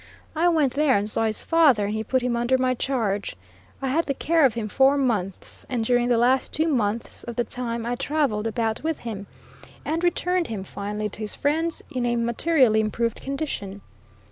I went there and saw his father, and he put him under my charge. I had the care of him four months, and during the last two months of the time I traveled about with him, and returned him, finally, to his friends in a materially improved condition.